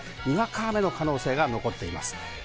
にわか雨の可能性が残っています。